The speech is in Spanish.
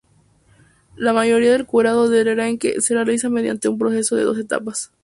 La mayoría del curado del arenque se realiza mediante un proceso de dos etapas.